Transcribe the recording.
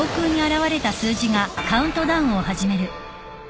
あっ！？